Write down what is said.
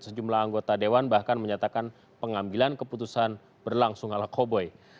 sejumlah anggota dewan bahkan menyatakan pengambilan keputusan berlangsung ala koboi